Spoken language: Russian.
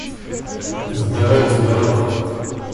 Здоров, здоров....